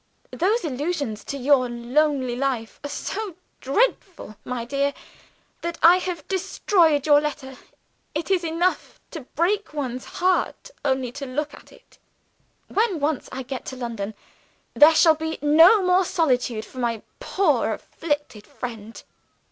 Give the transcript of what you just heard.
Those allusions to your lonely life are so dreadful, my dear, that I have destroyed your letter; it is enough to break one's heart only to look at it. When once I get to London, there shall be no more solitude for my poor afflicted friend.